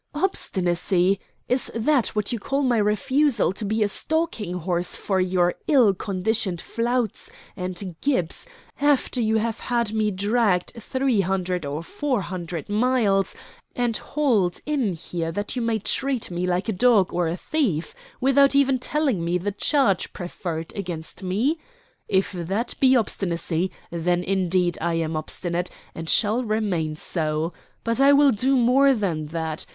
"'Obstinacy!' Is that what you call my refusal to be a stalking horse for your ill conditioned flouts and gibes, after you have had me dragged three hundred or four hundred miles, and hauled in here that you may treat me like a dog or a thief, without even telling me the charge preferred against me? If that be obstinacy, then indeed I am obstinate, and shall remain so. But I will do more than that.